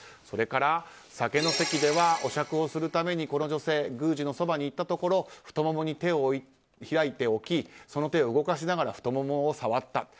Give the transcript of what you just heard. それから酒の席ではお酌をするために、この女性宮司のそばに行ったところ太ももに手を開いて置きその手を動かしながら太ももを触った。